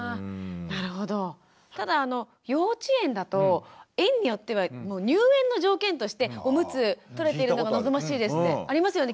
ただ幼稚園だと園によっては入園の条件としてオムツとれてるのが望ましいですってありますよね